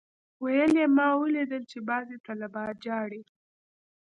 ويل يې ما اوليدل چې بعضي طلبا جاړي.